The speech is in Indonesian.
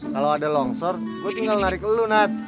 kalau ada longsor gue tinggal narik lu nat